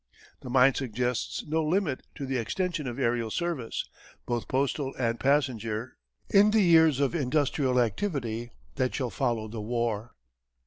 The mind suggests no limit to the extension of aërial service, both postal and passenger, in the years of industrial activity that shall follow the war.